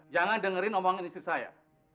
jangan dengerin omongan istri saya